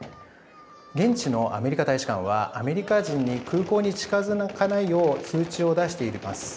現地のアメリカ大使館はアメリカ人に空港に近づかないよう通知を出しています。